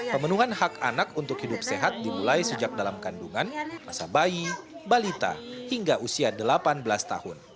pemenuhan hak anak untuk hidup sehat dimulai sejak dalam kandungan masa bayi balita hingga usia delapan belas tahun